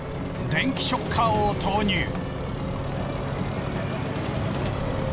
電気ショッカーを投入。